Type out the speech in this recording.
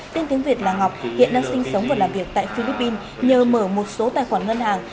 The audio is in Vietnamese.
tên tiếng việt là ngọc hiện đang sinh sống và làm việc tại philippines nhờ mở một số tài khoản ngân hàng